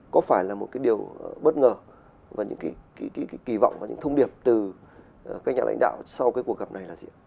có phải là một cái điều bất ngờ và những kỳ vọng và những thông điệp từ các nhà lãnh đạo sau cuộc gặp này là gì